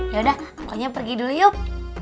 yaudah pokoknya pergi dulu yuk